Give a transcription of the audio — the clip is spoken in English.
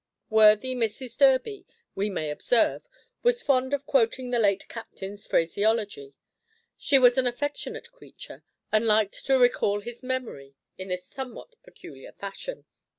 Worthy Mrs Durby, we may observe, was fond of quoting the late captain's phraseology. She was an affectionate creature, and liked to recall his memory in this somewhat peculiar fashion.